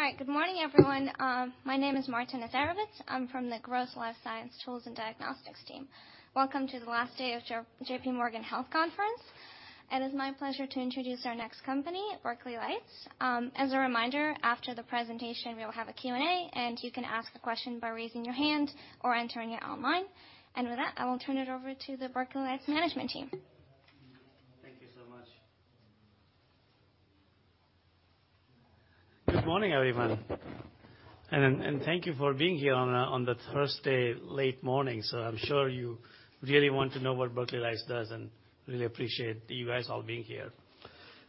All right. Good morning, everyone. My name is Martina Therovitz. I'm from the Growth Life Science Tools and Diagnostics team. Welcome to the last day of J.P. Morgan Healthcare Conference. It is my pleasure to introduce our next company, Berkeley Lights. As a reminder, after the presentation, we will have a Q&A, and you can ask a question by raising your hand or entering it online. With that, I will turn it over to the Berkeley Lights management team. Thank you so much. Good morning, everyone, and thank you for being here on the Thursday late morning. I'm sure you really want to know what Berkeley Lights does and really appreciate you guys all being here.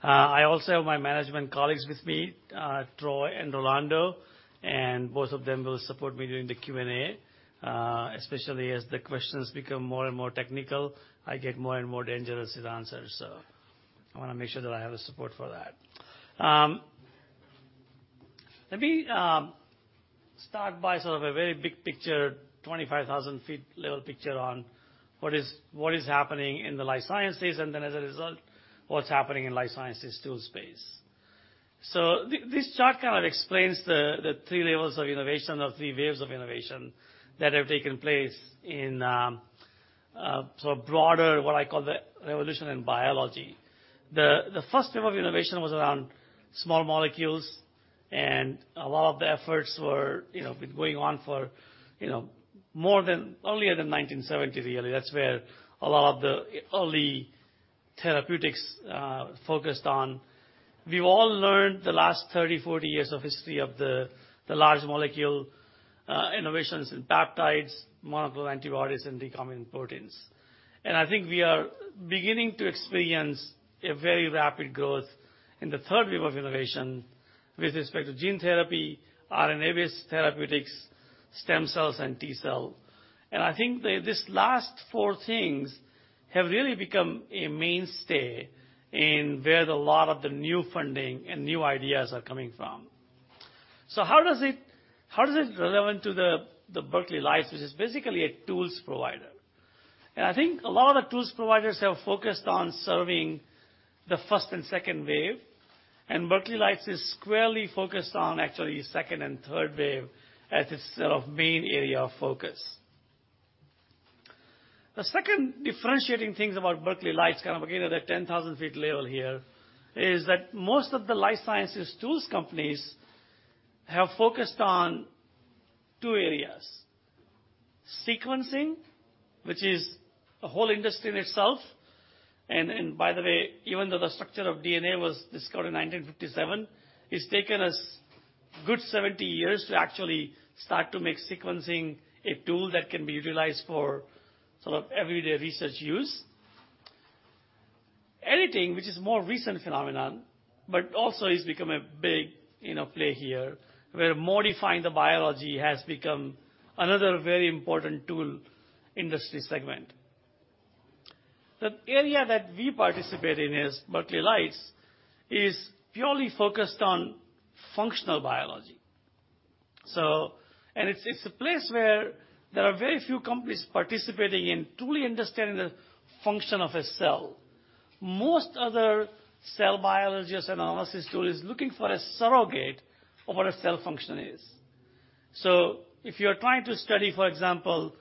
I also have my management colleagues with me, Troy and Rolando, and both of them will support me during the Q&A. Especially as the questions become more and more technical, I get more and more dangerous with answers. I wanna make sure that I have the support for that. Let me start by sort of a very big picture, 25,000 feet level picture on what is happening in the life sciences and then as a result, what's happening in life sciences tools space. This chart kind of explains the three levels of innovation or three waves of innovation that have taken place in, sort of broader, what I call the revolution in biology. The first wave of innovation was around small molecules and a lot of the efforts were, you know, been going on for, you know, earlier than 1970 really. That's where a lot of the early therapeutics focused on. We've all learned the last 30, 40 years of history of the large molecule innovations in peptides, monoclonal antibodies and recombinant proteins. I think we are beginning to experience a very rapid growth in the third wave of innovation with respect to gene therapy, RNA-based therapeutics, stem cells, and T-cell. I think these last 4 things have really become a mainstay in where a lot of the new funding and new ideas are coming from. How does it, how does it relevant to the Berkeley Lights, which is basically a tools provider? I think a lot of tools providers have focused on serving the 1st and 2nd wave, and Berkeley Lights is squarely focused on actually 2nd and 3rd wave as its, sort of, main area of focus. The 2nd differentiating things about Berkeley Lights, kind of again at the 10,000 feet level here, is that most of the life sciences tools companies have focused on two areas. Sequencing, which is a whole industry in itself. By the way, even though the structure of DNA was discovered in 1957, it's taken us good 70 years to actually start to make sequencing a tool that can be utilized for sort of everyday research use. Editing, which is more recent phenomenon, but also has become a big, you know, play here, where modifying the biology has become another very important tool industry segment. The area that we participate in as Berkeley Lights is purely focused on functional biology. It's a place where there are very few companies participating in truly understanding the function of a cell. Most other cell biologists analysis tool is looking for a surrogate of what a cell function is. If you're trying to study, for example,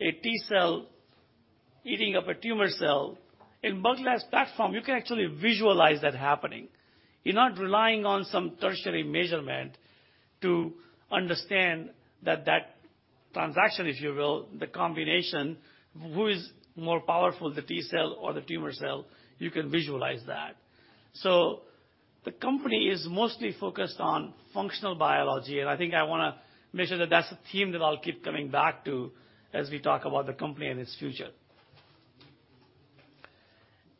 a T-cell eating up a tumor cell, in Berkeley Lights platform, you can actually visualize that happening. You're not relying on some tertiary measurement to understand that that transaction, if you will, the combination, who is more powerful, the T-cell or the tumor cell, you can visualize that. The company is mostly focused on functional biology, and I think I wanna mention that that's a theme that I'll keep coming back to as we talk about the company and its future.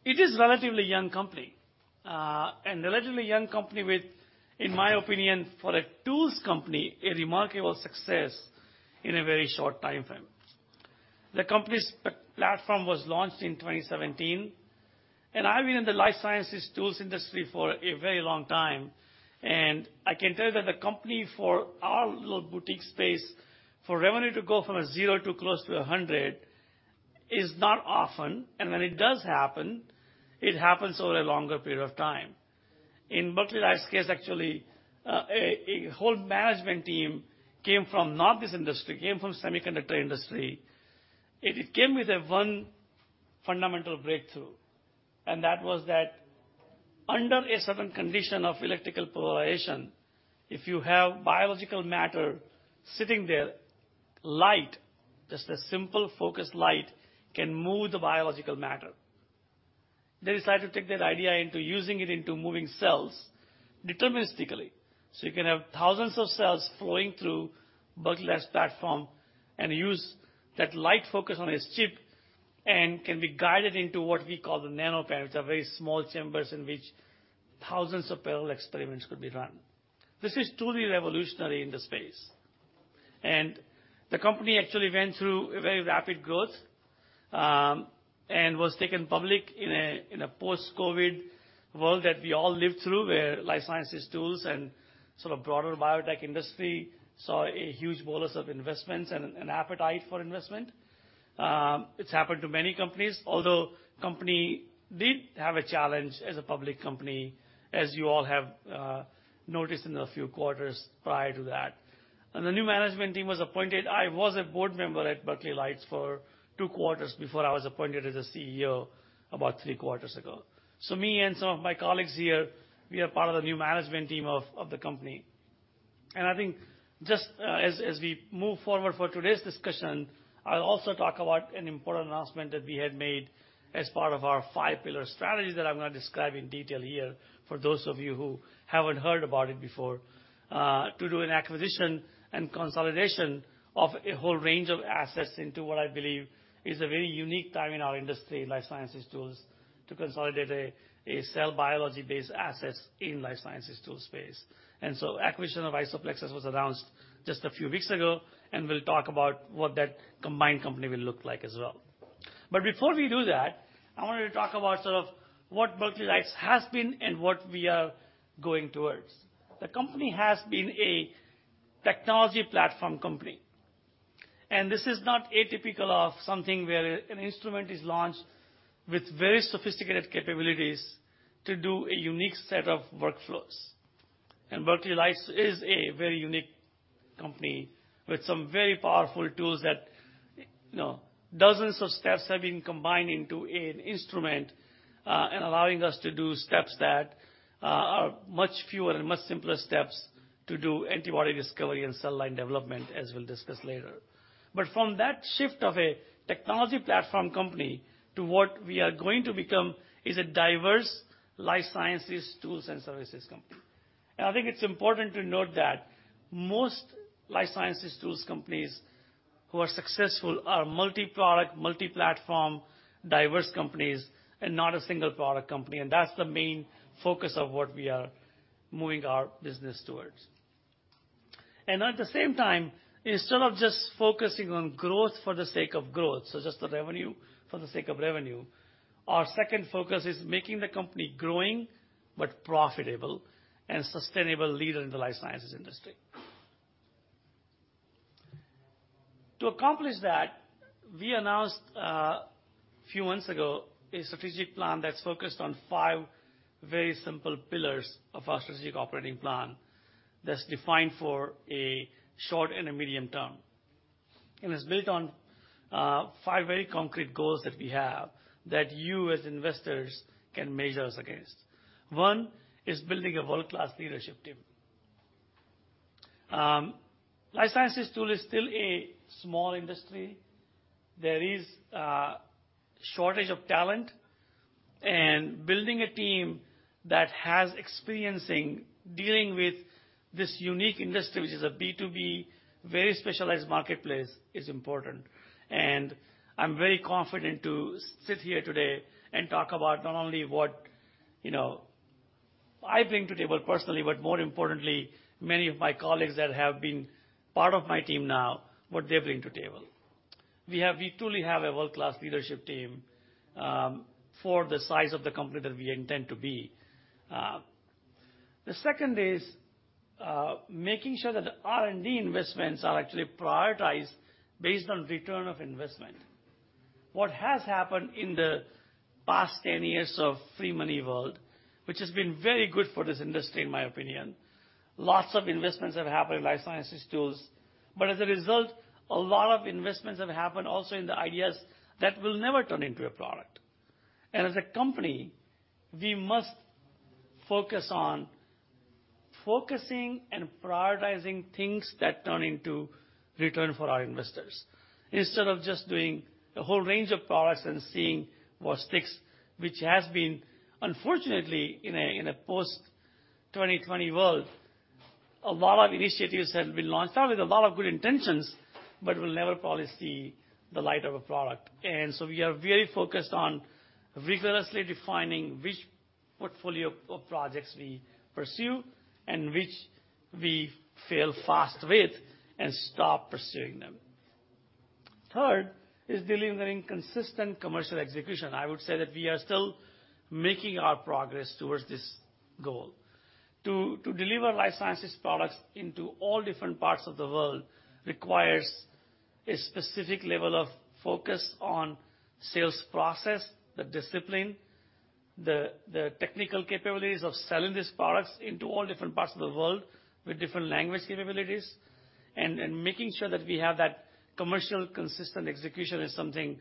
It is relatively young company, and relatively young company with, in my opinion, for a tools company, a remarkable success in a very short timeframe. Company's platform was launched in 2017. I've been in the life sciences tools industry for a very long time. I can tell you that the company, for our little boutique space, for revenue to go from 0 to close to 100 is not often. When it does happen, it happens over a longer period of time. In Berkeley Lights case, actually, a whole management team came from not this industry, came from semiconductor industry. It came with one fundamental breakthrough. That was that under a certain condition of electrical polarization, if you have biological matter sitting there, light, just a simple focused light, can move the biological matter. They decided to take that idea into using it into moving cells deterministically. You can have thousands of cells flowing through Berkeley Lights platform and use that light focus on a chip and can be guided into what we call the NanoPen. They're very small chambers in which thousands of parallel experiments could be run. This is truly revolutionary in the space. The company actually went through a very rapid growth. Was taken public in a, in a post-COVID world that we all lived through, where life sciences tools and sort of broader biotech industry saw a huge bolus of investments and an appetite for investment. It's happened to many companies, although company did have a challenge as a public company, as you all have noticed in the few quarters prior to that. The new management team was appointed. I was a board member at Berkeley Lights for two quarters before I was appointed as a CEO about three quarters ago. Me and some of my colleagues here, we are part of the new management team of the company. I think just as we move forward for today's discussion, I'll also talk about an important announcement that we had made as part of our five-pillar strategy that I'm gonna describe in detail here for those of you who haven't heard about it before, to do an acquisition and consolidation of a whole range of assets into what I believe is a very unique time in our industry, life sciences tools, to consolidate a cell biology-based assets in life sciences tool space. Acquisition of IsoPlexis was announced just a few weeks ago, and we'll talk about what that combined company will look like as well. Before we do that, I wanted to talk about sort of what Berkeley Lights has been and what we are going towards. The company has been a technology platform company, and this is not atypical of something where an instrument is launched with very sophisticated capabilities to do a unique set of workflows. Berkeley Lights is a very unique company with some very powerful tools that, you know, dozens of steps have been combined into an instrument, and allowing us to do steps that are much fewer and much simpler steps to do antibody discovery and cell line development, as we'll discuss later. From that shift of a technology platform company to what we are going to become is a diverse life sciences tools and services company. I think it's important to note that most life sciences tools companies who are successful are multi-product, multi-platform, diverse companies and not a single product company. That's the main focus of what we are moving our business towards. At the same time, instead of just focusing on growth for the sake of growth, so just the revenue for the sake of revenue, our second focus is making the company growing but profitable and sustainable leader in the life sciences industry. To accomplish that, we announced a few months ago a strategic plan that's focused on five very simple pillars of our strategic operating plan that's defined for a short and a medium term. It's built on five very concrete goals that we have that you as investors can measure us against. One is building a world-class leadership team. Life sciences tool is still a small industry. There is a shortage of talent, and building a team that has experiencing dealing with this unique industry, which is a B2B, very specialized marketplace, is important. I'm very confident to sit here today and talk about not only what, you know, I bring to the table personally, but more importantly, many of my colleagues that have been part of my team now, what they bring to table. We truly have a world-class leadership team for the size of the company that we intend to be. The second is making sure that R&D investments are actually prioritized based on return of investment. What has happened in the past 10 years of free money world, which has been very good for this industry, in my opinion, lots of investments have happened in life sciences tools. As a result, a lot of investments have happened also in the ideas that will never turn into a product. As a company, we must focus on focusing and prioritizing things that turn into return for our investors. Instead of just doing a whole range of products and seeing what sticks, which has been unfortunately, in a post-2020 world, a lot of initiatives have been launched out with a lot of good intentions, but will never probably see the light of a product. We are very focused on rigorously defining which portfolio of projects we pursue and which we fail fast with and stop pursuing them. Third is delivering consistent commercial execution. I would say that we are still making our progress towards this goal. To deliver life sciences products into all different parts of the world requires a specific level of focus on sales process, the discipline, the technical capabilities of selling these products into all different parts of the world with different language capabilities, and making sure that we have that commercial consistent execution is something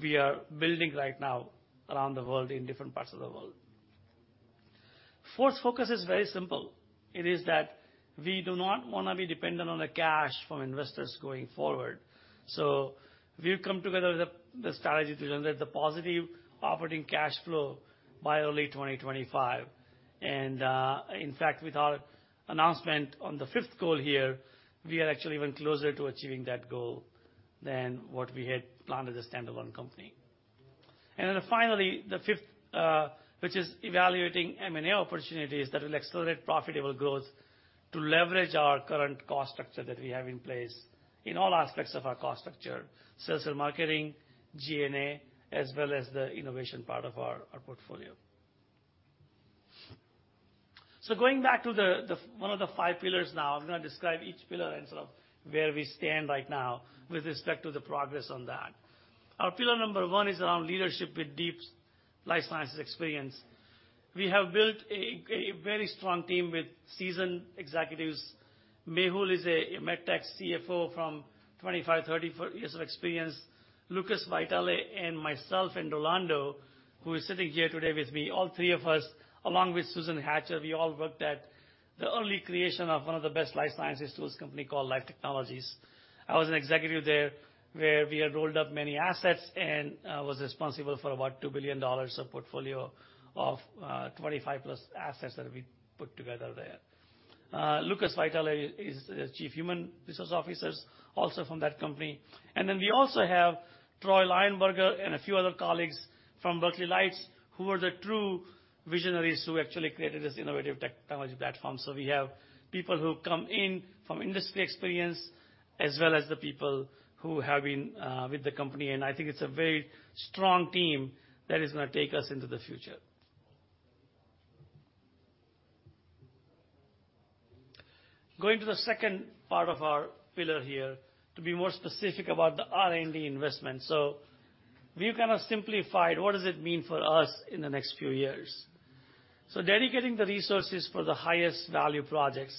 we are building right now around the world in different parts of the world. Fourth focus is very simple. It is that we do not wanna be dependent on the cash from investors going forward. We've come together with the strategy to generate the positive operating cash flow by early 2025. In fact, with our announcement on the fifth goal here, we are actually even closer to achieving that goal than what we had planned as a standalone company. Finally, the fifth, which is evaluating M&A opportunities that will accelerate profitable growth to leverage our current cost structure that we have in place in all aspects of our cost structure, sales and marketing, G&A, as well as the innovation part of our portfolio. Going back to the one of the five pillars now, I'm gonna describe each pillar and sort of where we stand right now with respect to the progress on that. Our pillar number one is around leadership with deep life sciences experience. We have built a very strong team with seasoned executives. Mehul is a med tech CFO from 25-34 years of experience. Lucas Vitale and myself and Rolando, who is sitting here today with me, all three of us, along with Susan Hatcher, we all worked at the early creation of one of the best life sciences tools company called Life Technologies. I was an executive there, where we had rolled up many assets and was responsible for about $2 billion of portfolio of 25 plus assets that we put together there. Lucas Vitale is the Chief Human Resources Officer also from that company. We also have Troy Lionberger and a few other colleagues from Berkeley Lights who are the true visionaries who actually created this innovative technology platform. We have people who come in from industry experience as well as the people who have been with the company, and I think it's a very strong team that is gonna take us into the future. Going to the second part of our pillar here, to be more specific about the R&D investment. We've kinda simplified what does it mean for us in the next few years. Dedicating the resources for the highest value projects.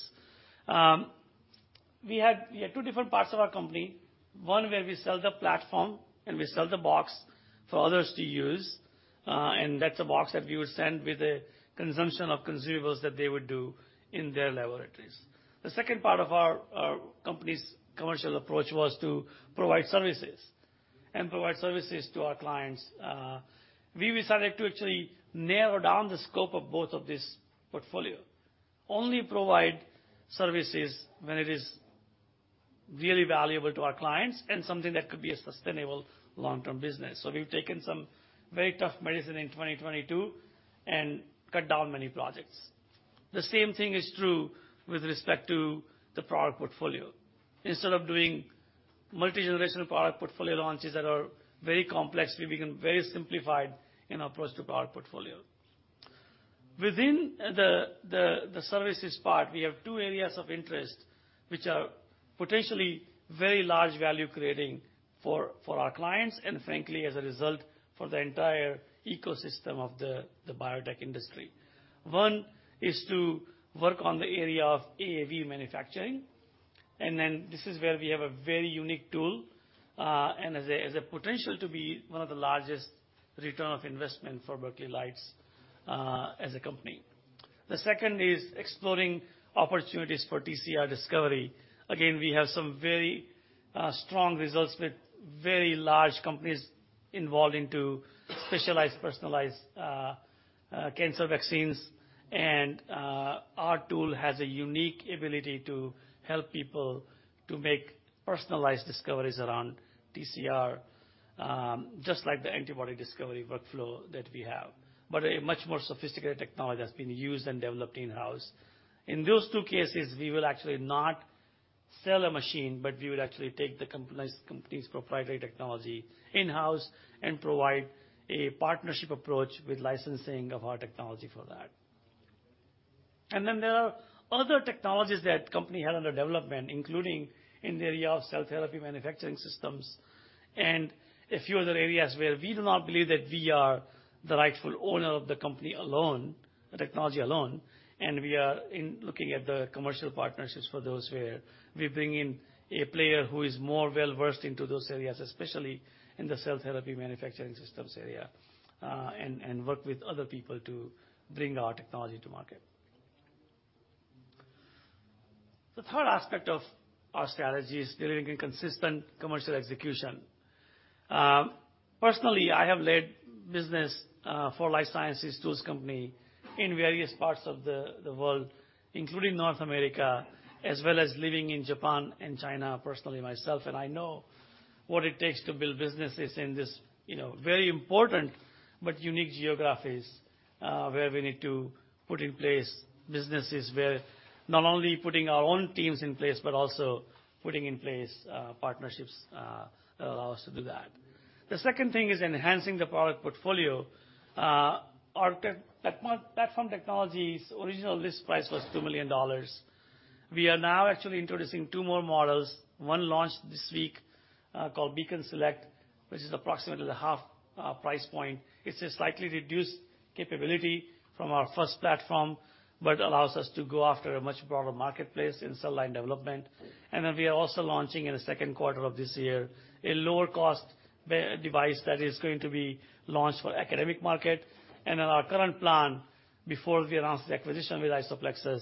We had two different parts of our company, one where we sell the platform, and we sell the box for others to use, and that's a box that we would send with a consumption of consumables that they would do in their laboratories. The second part of our company's commercial approach was to provide services and provide services to our clients. We decided to actually narrow down the scope of both of this portfolio. Only provide services when it is really valuable to our clients and something that could be a sustainable long-term business. We've taken some very tough medicine in 2022 and cut down many projects. The same thing is true with respect to the product portfolio. Instead of doing multi-generational product portfolio launches that are very complex, we've become very simplified in our approach to product portfolio. Within the services part, we have two areas of interest, which are potentially very large value-creating for our clients and frankly, as a result, for the entire ecosystem of the biotech industry. One is to work on the area of AAV manufacturing, and then this is where we have a very unique tool, and has a potential to be one of the largest ROI for Berkeley Lights, as a company. The second is exploring opportunities for TCR discovery. Again, we have some very strong results with very large companies involved into specialized, personalized cancer vaccines. Our tool has a unique ability to help people to make personalized discoveries around TCR, just like the antibody discovery workflow that we have, but a much more sophisticated technology that's been used and developed in-house. In those two cases, we will actually not sell a machine, but we will actually take the company's proprietary technology in-house and provide a partnership approach with licensing of our technology for that. There are other technologies that company had under development, including in the area of cell therapy manufacturing systems and a few other areas where we do not believe that we are the rightful owner of the company alone, the technology alone. We are looking at the commercial partnerships for those where we bring in a player who is more well-versed into those areas, especially in the cell therapy manufacturing systems area, and work with other people to bring our technology to market. The third aspect of our strategy is delivering consistent commercial execution. Personally, I have led business for life sciences tools company in various parts of the world, including North America, as well as living in Japan and China, personally, myself, and I know what it takes to build businesses in this, you know, very important but unique geographies, where we need to put in place businesses where not only putting our own teams in place, but also putting in place partnerships that allow us to do that. The second thing is enhancing the product portfolio. Our tech-platform technology's original list price was $2 million. We are now actually introducing two more models, one launched this week, called Beacon Select, which is approximately the half price point. It's a slightly reduced capability from our first platform, but allows us to go after a much broader marketplace in cell line development. We are also launching in the 2Q of this year a lower-cost device that is going to be launched for academic market. Our current plan before we announced the acquisition with IsoPlexis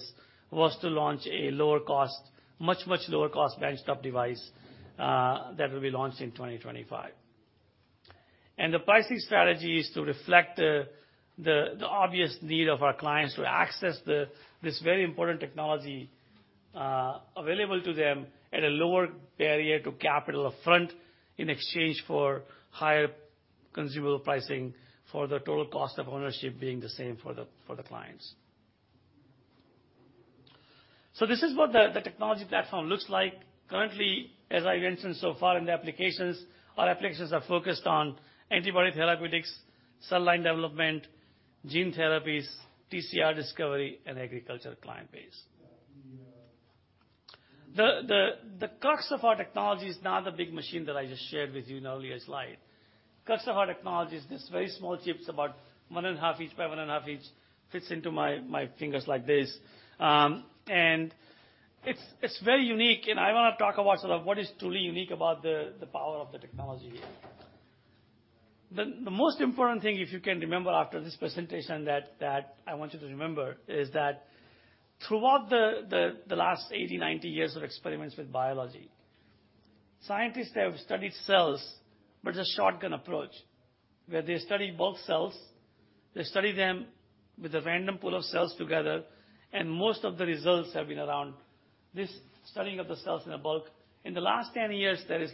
was to launch a lower cost, much, much lower cost benchtop device that will be launched in 2025. The pricing strategy is to reflect the obvious need of our clients to access this very important technology available to them at a lower barrier to capital upfront in exchange for higher consumable pricing for the total cost of ownership being the same for the clients. This is what the technology platform looks like. Currently, as I mentioned so far in the applications, our applications are focused on antibody therapeutics, cell line development, gene therapies, TCR discovery, and agricultural client base. The crux of our technology is not a big machine that I just shared with you in the earlier slide. Crux of our technology is this very small chips about 1.5 each by 1.5 each, fits into my fingers like this. It's very unique and I wanna talk about sort of what is truly unique about the power of the technology here. The most important thing, if you can remember after this presentation that I want you to remember, is that throughout the last 80, 90 years of experiments with biology, scientists have studied cells with a shotgun approach. Where they study bulk cells, they study them with a random pool of cells together, and most of the results have been around this studying of the cells in a bulk. In the last 10 years, there is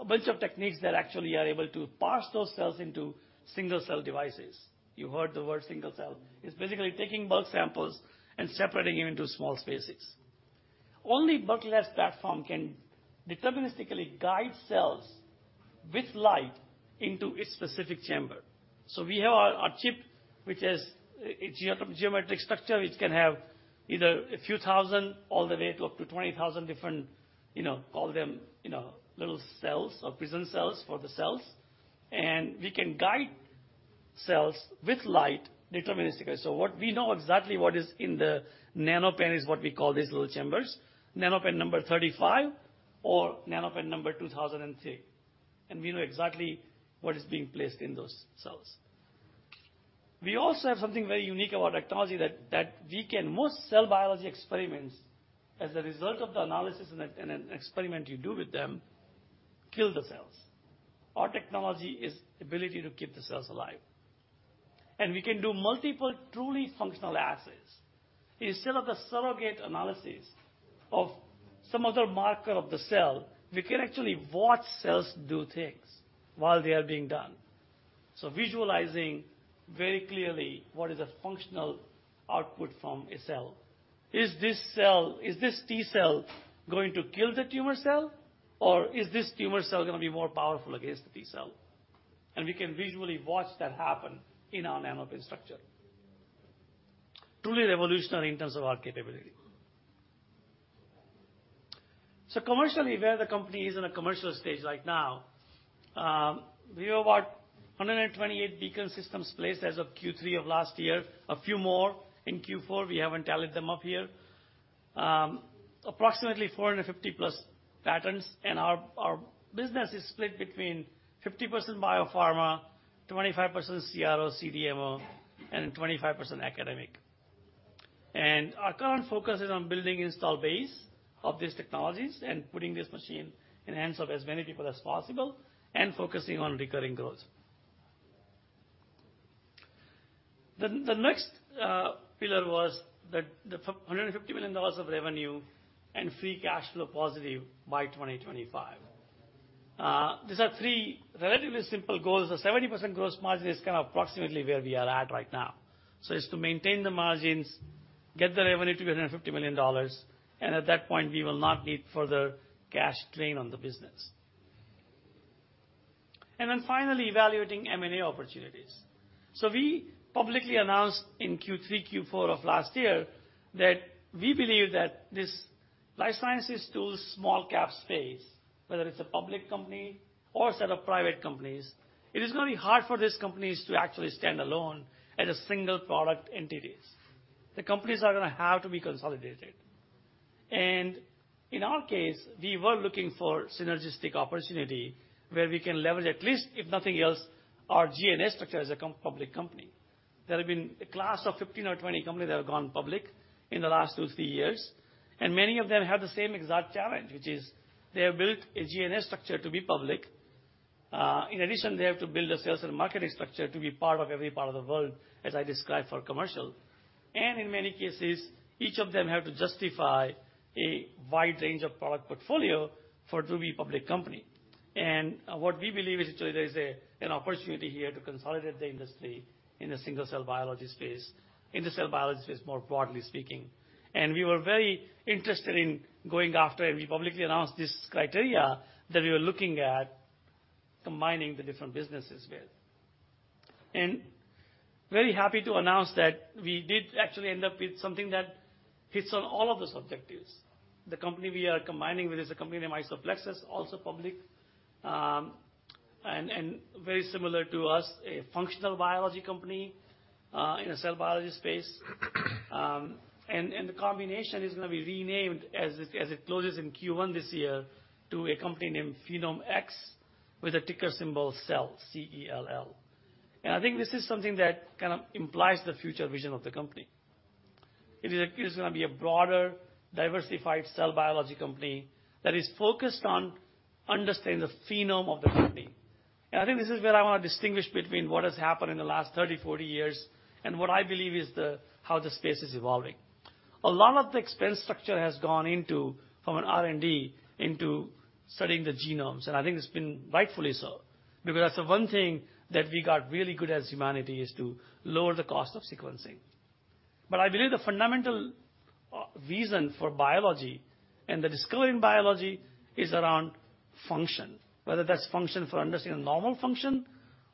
a bunch of techniques that actually are able to parse those cells into single cell devices. You heard the word single cell. It's basically taking bulk samples and separating them into small spaces. Only Berkeley Lights platform can deterministically guide cells with light into its specific chamber. We have our chip, which is a geometric structure which can have either a few thousand all the way to up to 20,000 different, you know, call them, you know, little cells or prison cells for the cells. We can guide cells with light deterministically. What we know exactly what is in the NanoPen is what we call these little chambers, NanoPen number 35 or NanoPen number 2,006. We know exactly what is being placed in those cells. We also have something very unique about technology that we can. Most cell biology experiments, as a result of the analysis and an experiment you do with them, kill the cells. Our technology is ability to keep the cells alive. We can do multiple truly functional assays. Instead of the surrogate analysis of some other marker of the cell, we can actually watch cells do things while they are being done. Visualizing very clearly what is a functional output from a cell. Is this T-cell going to kill the tumor cell, or is this tumor cell gonna be more powerful against the T-cell? We can visually watch that happen in our NanoPen structure. Truly revolutionary in terms of our capability. Commercially, where the company is in a commercial stage right now, we have about 128 Beacon systems placed as of Q3 of last year. A few more in Q4, we haven't tallied them up here. Approximately 450+ patents. Our business is split between 50% biopharma, 25% CRO/CDMO, and 25% academic. Our current focus is on building install base of these technologies and putting this machine in the hands of as many people as possible and focusing on recurring growth. The next pillar was the $150 million of revenue and free cash flow positive by 2025. These are three relatively simple goals. The 70% gross margin is kind of approximately where we are at right now. It's to maintain the margins, get the revenue to $150 million, and at that point, we will not need further cash drain on the business. Finally, evaluating M&A opportunities. We publicly announced in Q3, Q4 of last year that we believe that this life sciences tools small cap space, whether it's a public company or a set of private companies, it is gonna be hard for these companies to actually stand alone as a single product entities. The companies are gonna have to be consolidated. In our case, we were looking for synergistic opportunity where we can level, at least, if nothing else, our G&A structure as a public company. There have been a class of 15 or 20 companies that have gone public in the last two, three years. Many of them have the same exact challenge, which is they have built a G&A structure to be public. In addition, they have to build a sales and marketing structure to be part of every part of the world, as I described for commercial. In many cases, each of them have to justify a wide range of product portfolio for it to be a public company. What we believe is there is an opportunity here to consolidate the industry in a single cell biology space, in the cell biology space, more broadly speaking. We were very interested in going after, and we publicly announced this criteria, that we were looking at combining the different businesses with. Very happy to announce that we did actually end up with something that hits on all of those objectives. The company we are combining with is a company named IsoPlexis, also public. very similar to us, a functional biology company in a cell biology space. the combination is gonna be renamed as it closes in Q1 this year to a company named PhenomeX with a ticker symbol CELL, C-E-L-L. I think this is something that kind of implies the future vision of the company. It is, it is gonna be a broader, diversified cell biology company that is focused on understanding the phenome of the company. I think this is where I wanna distinguish between what has happened in the last 30, 40 years and what I believe is how the space is evolving. A lot of the expense structure has gone into from an R&D into studying the genomes. I think it's been rightfully so, because that's the one thing that we got really good as humanity is to lower the cost of sequencing. I believe the fundamental reason for biology and the discovery in biology is around function, whether that's function for understanding normal function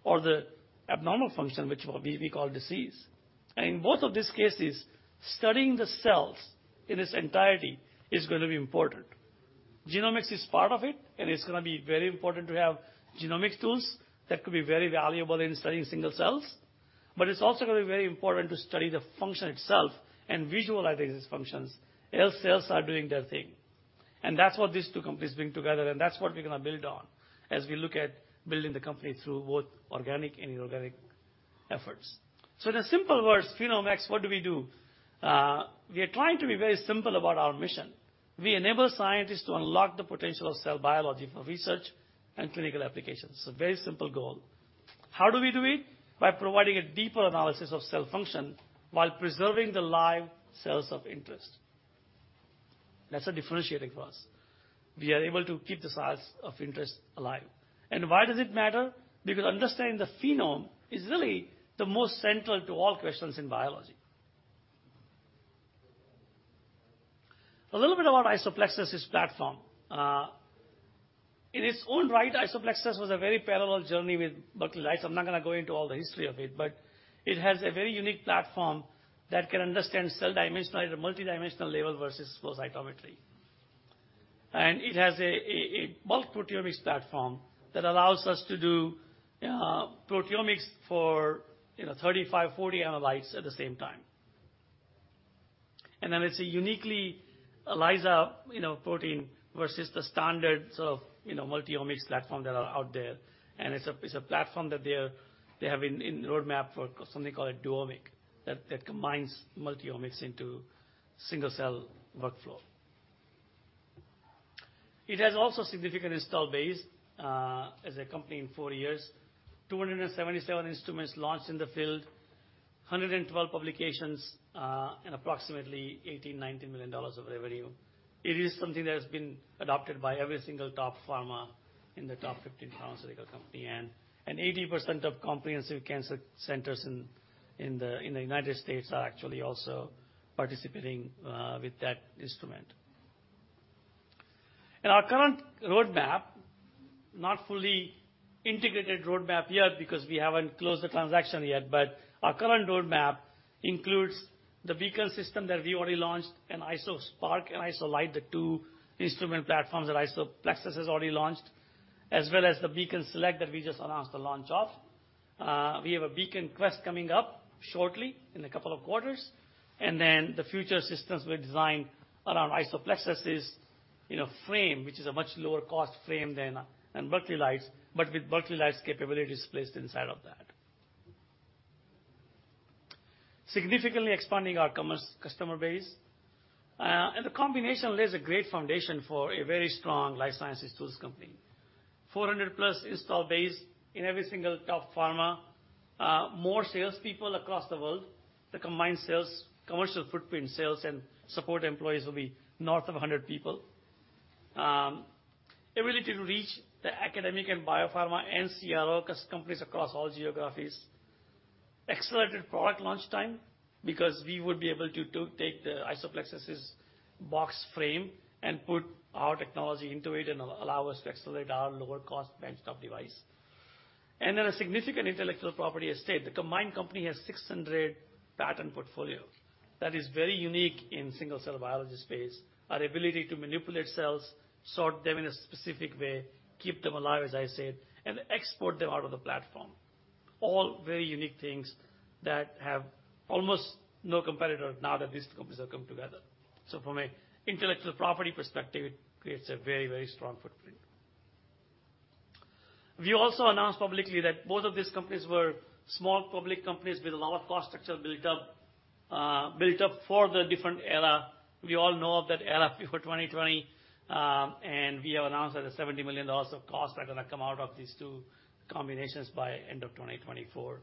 or the abnormal function which we call disease. In both of these cases, studying the cells in its entirety is gonna be important. Genomics is part of it. It's gonna be very important to have genomic tools that could be very valuable in studying single cells. It's also gonna be very important to study the function itself and visualize these functions as cells are doing their thing. That's what these two companies bring together, and that's what we're gonna build on as we look at building the company through both organic and inorganic efforts. In simple words, PhenomeX, what do we do? We are trying to be very simple about our mission. We enable scientists to unlock the potential of cell biology for research and clinical applications. It's a very simple goal. How do we do it? By providing a deeper analysis of cell function while preserving the live cells of interest. That's a differentiating force. We are able to keep the cells of interest alive. Why does it matter? Because understanding the phenome is really the most central to all questions in biology. A little bit about IsoPlexis' platform. In its own right, IsoPlexis was a very parallel journey with Berkeley Lights. I'm not gonna go into all the history of it, but it has a very unique platform that can understand cell dimension at a multidimensional level versus flow cytometry. It has a bulk proteomics platform that allows us to do proteomics for, you know, 35, 40 analytes at the same time. It's a uniquely ELISA, you know, protein versus the standards of, you know, multi-omics platform that are out there. It's a platform that they have in roadmap for something called a dual-omic that combines multi-omics into single-cell workflow. Significant install base as a company in four years, 277 instruments launched in the field, 112 publications, and approximately $80 million-$90 million of revenue. It is something that has been adopted by every single top pharma in the top 15 pharmaceutical company and 80% of comprehensive cancer centers in the United States are actually also participating with that instrument. In our current roadmap, not fully integrated roadmap yet because we haven't closed the transaction yet, but our current roadmap includes the Beacon system that we already launched and IsoSpark and IsoLight, the two instrument platforms that IsoPlexis has already launched, as well as the BeaconSelect that we just announced the launch of. We have a BeaconQuest coming up shortly in a couple of quarters, and then the future systems were designed around IsoPlexis's, you know, frame, which is a much lower cost frame than Berkeley Lights, but with Berkeley Lights capabilities placed inside of that. Significantly expanding our commerce customer base. The combination lays a great foundation for a very strong life sciences tools company. 400+ install base in every single top pharma, more salespeople across the world. The combined sales, commercial footprint, sales, and support employees will be north of 100 people. Ability to reach the academic and biopharma and CRO companies across all geographies. Accelerated product launch time because we would be able to take the IsoPlexis' box frame and put our technology into it and allow us to accelerate our lower cost benchtop device. A significant intellectual property estate. The combined company has 600 patent portfolio. That is very unique in single-cell biology space. Our ability to manipulate cells, sort them in a specific way, keep them alive, as I said, and export them out of the platform. All very unique things that have almost no competitor now that these two companies have come together. From a intellectual property perspective, it creates a very, very strong footprint. We also announced publicly that both of these companies were small public companies with a lot of cost structure built up for the different era. We all know of that era before 2020, we have announced that the $70 million of costs are gonna come out of these two combinations by end of 2024.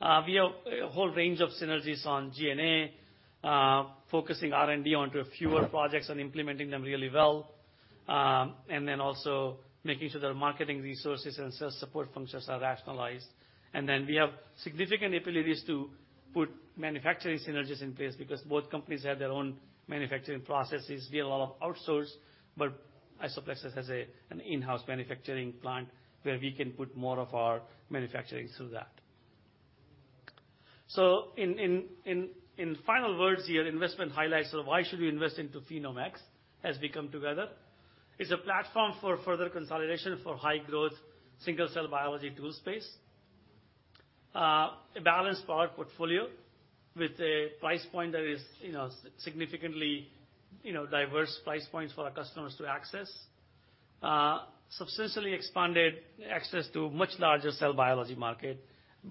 We have a whole range of synergies on G&A, focusing R&D onto fewer projects and implementing them really well, also making sure that our marketing resources and sales support functions are rationalized. We have significant abilities to put manufacturing synergies in place because both companies have their own manufacturing processes. We have a lot of outsource, but IsoPlexis has an in-house manufacturing plant where we can put more of our manufacturing through that. In final words here, investment highlights of why should we invest into PhenomeX as we come together. It's a platform for further consolidation for high growth, single cell biology tool space. A balanced product portfolio with a price point that is, you know, significantly, you know, diverse price points for our customers to access. Substantially expanded access to much larger cell biology market.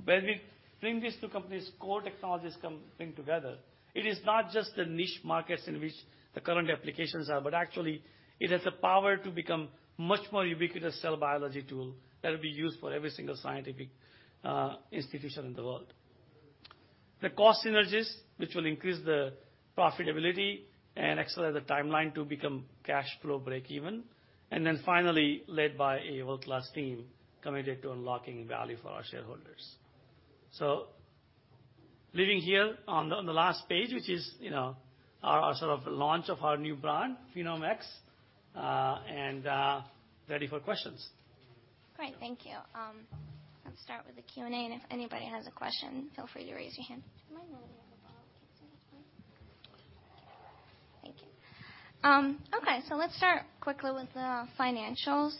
When we bring these two companies' core technologies bring together, it is not just the niche markets in which the current applications are, but actually it has the power to become much more ubiquitous cell biology tool that will be used for every single scientific institution in the world. The cost synergies, which will increase the profitability and accelerate the timeline to become cash flow breakeven. Finally, led by a world-class team committed to unlocking value for our shareholders. Leaving here on the last page, which is, you know, our sort of launch of our new brand, PhenomeX, and ready for questions. Great. Thank you. Let's start with the Q&A. If anybody has a question, feel free to raise your hand. Do you mind moving your bottle? Thank you. Okay. Let's start quickly with the financials.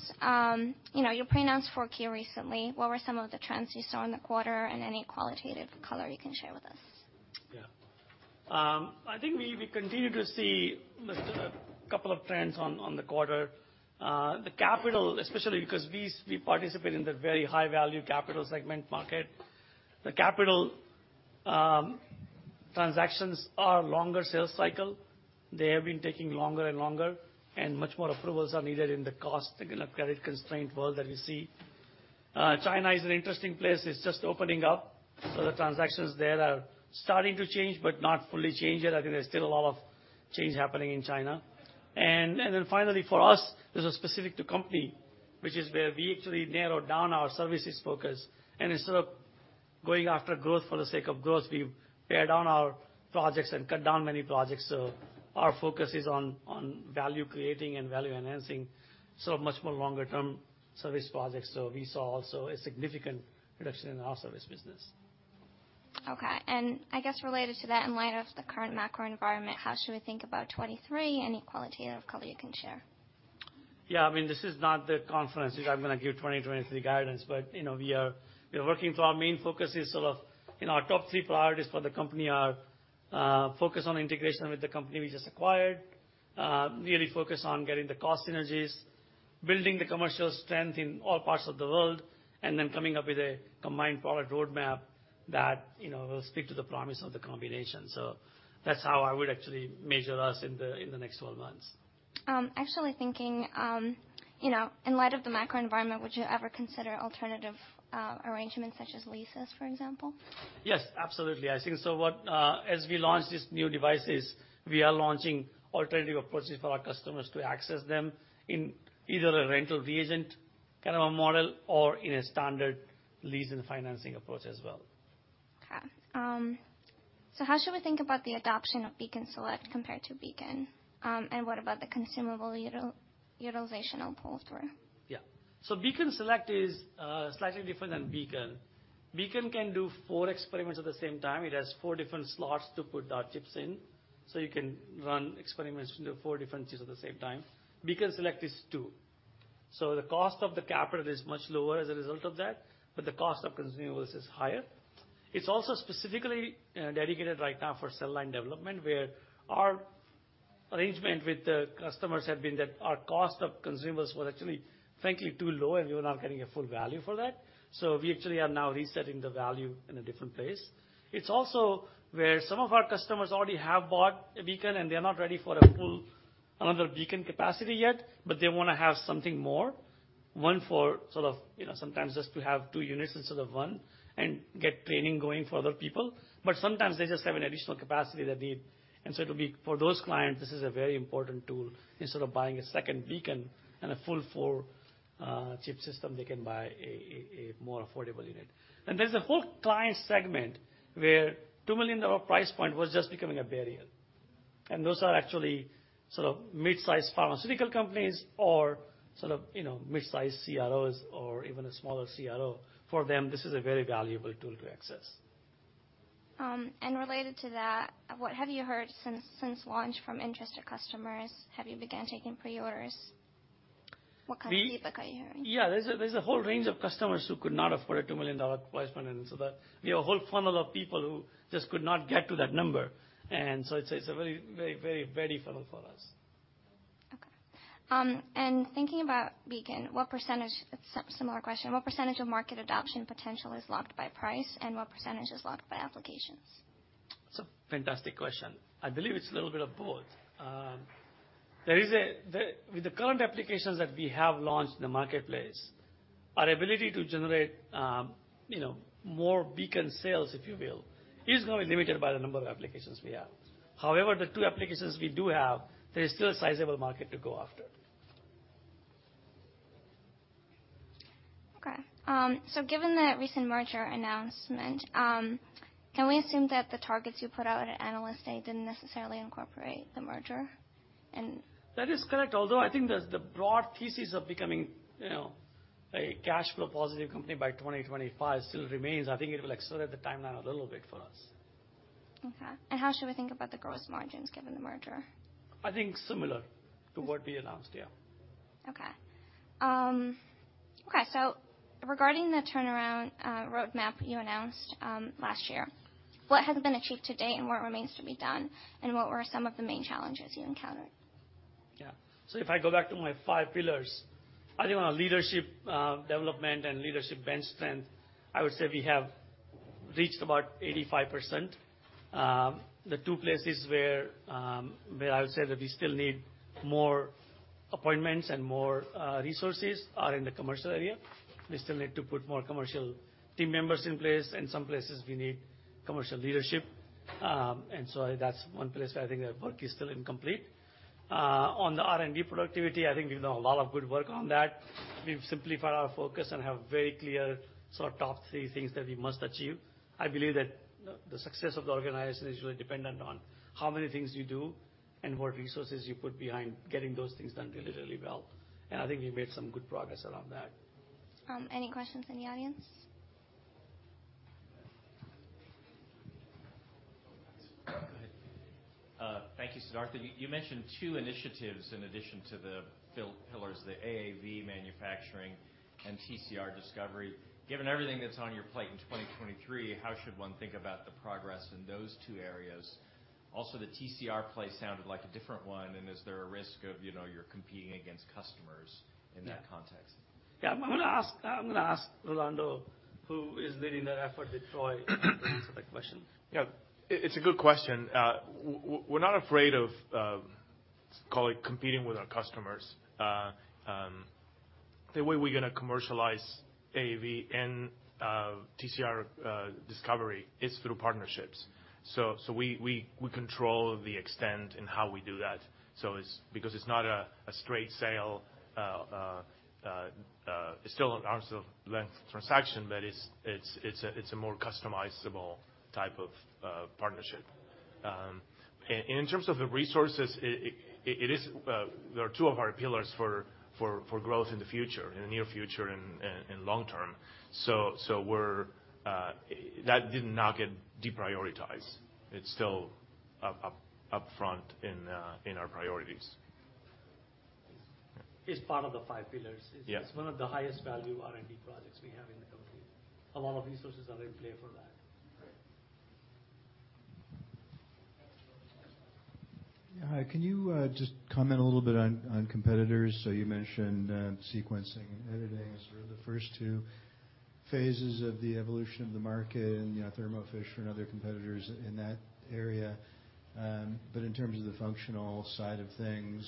You know, you pronounced 4Q recently. What were some of the trends you saw in the quarter, and any qualitative color you can share with us? Yeah. I think we continue to see just a couple of trends on the quarter. The capital, especially because we participate in the very high value capital segment market. The capital transactions are longer sales cycle. They have been taking longer and longer, and much more approvals are needed in the cost in a credit-constrained world that we see. China is an interesting place. It's just opening up. The transactions there are starting to change but not fully changed yet. I think there's still a lot of change happening in China. Finally, for us, this is specific to company, which is where we actually narrowed down our services focus. Instead of going after growth for the sake of growth, we pared down our projects and cut down many projects. Our focus is on value creating and value enhancing, so much more longer term service projects. We saw also a significant reduction in our service business. Okay. I guess related to that, in light of the current macro environment, how should we think about 2023? Any qualitative color you can share? Yeah. I mean, this is not the conference that I'm gonna give 2023 guidance, but, you know, we are, we are working for our main focus is sort of, you know, our top three priorities for the company are, focus on integration with the company we just acquired, really focus on getting the cost synergies, building the commercial strength in all parts of the world, and then coming up with a combined product roadmap that, you know, will speak to the promise of the combination. That's how I would actually measure us in the, in the next 12 months. actually thinking, you know, in light of the macro environment, would you ever consider alternative arrangements such as leases, for example? Yes, absolutely. I think what, as we launch these new devices, we are launching alternative approaches for our customers to access them in either a rental reagent kind of a model or in a standard lease and financing approach as well. Okay. How should we think about the adoption of Beacon Select compared to Beacon? What about the consumable utilizational pulse for it? Yeah. Beacon Select is slightly different than Beacon. Beacon can do four experiments at the same time. It has four different slots to put our chips in. You can run experiments with the four different chips at the same time. Beacon Select is two. The cost of the capital is much lower as a result of that, but the cost of consumables is higher. Specifically dedicated right now for cell line development, where our arrangement with the customers had been that our cost of consumables was actually frankly too low, and we were not getting a full value for that. We actually are now resetting the value in a different place. Where some of our customers already have bought a Beacon, and they're not ready for a full another Beacon capacity yet, but they wanna have something more. One for sort of, you know, sometimes just to have two units instead of one and get training going for other people. Sometimes they just have an additional capacity that they... It'll be, for those clients, this is a very important tool. Instead of buying a second Beacon and a full four chip system, they can buy a more affordable unit. There's a whole client segment where $2 million price point was just becoming a barrier. Those are actually sort of mid-sized pharmaceutical companies or sort of, you know, mid-sized CROs or even a smaller CRO. For them, this is a very valuable tool to access. Related to that, what have you heard since launch from interested customers? Have you began taking pre-orders? What kind of feedback are you hearing? Yeah. There's a whole range of customers who could not afford a $2 million price point. We have a whole funnel of people who just could not get to that number. It's a very, very, very, very funnel for us. Okay. Thinking about Beacon, Similar question. What percentage of market adoption potential is locked by price, and what percentage is locked by applications? It's a fantastic question. I believe it's a little bit of both. There is With the current applications that we have launched in the marketplace, our ability to generate, you know, more Beacon sales, if you will, is going to be limited by the number of applications we have. However, the two applications we do have, there is still a sizable market to go after. Okay. Given the recent merger announcement, can we assume that the targets you put out at Analyst Day didn't necessarily incorporate the merger? That is correct. I think the broad thesis of becoming, you know, a cash flow positive company by 2025 still remains. I think it will accelerate the timeline a little bit for us. Okay. How should we think about the gross margins given the merger? I think similar to what we announced. Yeah. Okay. Regarding the turnaround roadmap you announced last year, what has been achieved to date and what remains to be done, and what were some of the main challenges you encountered? Yeah. If I go back to my five pillars, I think on a leadership, development and leadership bench strength, I would say we have reached about 85%. The two places where I would say that we still need more appointments and more resources are in the commercial area. We still need to put more commercial team members in place. In some places, we need commercial leadership. That's one place where I think the work is still incomplete. On the R&D productivity, I think we've done a lot of good work on that. We've simplified our focus and have very clear sort of top three things that we must achieve. I believe that the success of the organization is really dependent on how many things you do and what resources you put behind getting those things done really, really well. I think we've made some good progress around that. Any questions in the audience? Thank you, Siddhartha. You mentioned two initiatives in addition to the pillars, the AAV manufacturing and TCR discovery. Given everything that's on your plate in 2023, how should one think about the progress in those two areas? Also, the TCR play sounded like a different one, and is there a risk of, you know, you're competing against customers. Yeah. In that context? Yeah. I'm gonna ask Rolando, who is leading that effort with Troy to answer that question. Yeah. It, it's a good question. We're not afraid of, let's call it competing with our customers. The way we're gonna commercialize AAV and TCR discovery is through partnerships. We control the extent in how we do that. Because it's not a straight sale. It's still an arm's length transaction, but it's a more customizable type of partnership. In terms of the resources, it is they are two of our pillars for growth in the future, in the near future and long term. We're that did not get deprioritized. It's still up front in our priorities. It's part of the five pillars. Yes. It's one of the highest value R&D projects we have in the company. A lot of resources are in play for that. Great. Hi. Can you just comment a little bit on competitors? You mentioned sequencing and editing as sort of the first two phases of the evolution of the market and, you know, Thermo Fisher and other competitors in that area. In terms of the functional side of things,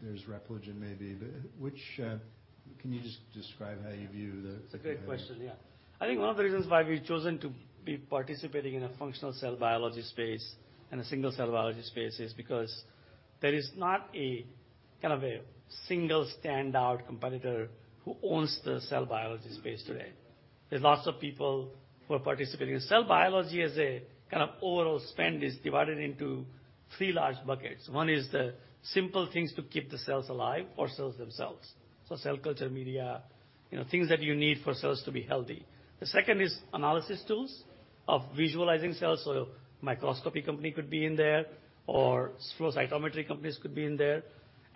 there's Repligen maybe. Which Can you just describe how you view? It's a great question. Yeah. I think one of the reasons why we've chosen to be participating in a functional cell biology space and a single cell biology space is because there is not a, kind of a single standout competitor who owns the cell biology space today. There's lots of people who are participating. In cell biology as a kind of overall spend is divided into three large buckets. One is the simple things to keep the cells alive or cells themselves, so cell culture media, you know, things that you need for cells to be healthy. The second is analysis tools of visualizing cells. A microscopy company could be in there, or flow cytometry companies could be in there.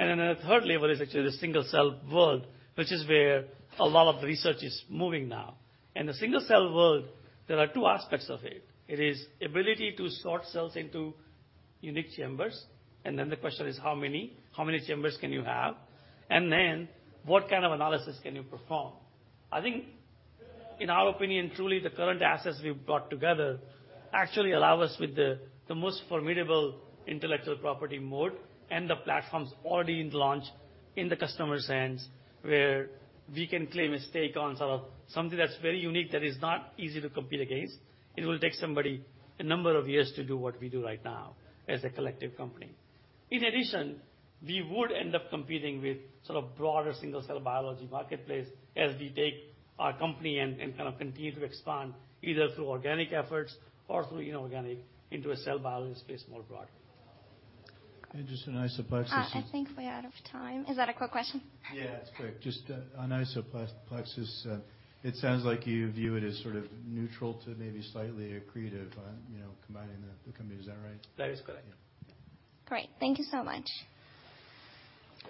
A third level is actually the single cell world, which is where a lot of the research is moving now. In the single cell world, there are two aspects of it. It is ability to sort cells into unique chambers, the question is how many? How many chambers can you have? What kind of analysis can you perform? I think in our opinion, truly the current assets we've brought together actually allow us with the most formidable intellectual property mode and the platforms already in launch in the customer's hands, where we can claim a stake on sort of something that's very unique that is not easy to compete against. It will take somebody a number of years to do what we do right now as a collective company. In addition, we would end up competing with sort of broader single cell biology marketplace as we take our company and kind of continue to expand either through organic efforts or through inorganic into a cell biology space more broadly. Just on IsoPlexis. I think we're out of time. Is that a quick question? Yeah, it's quick. Okay. Just on IsoPlexis, it sounds like you view it as sort of neutral to maybe slightly accretive on, you know, combining the company. Is that right? That is correct. Yeah. Yeah. Great. Thank you so much.